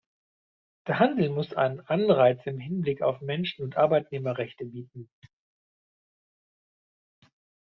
Der Handel muss einen Anreiz im Hinblick auf Menschen- und Arbeitnehmerrechte bieten.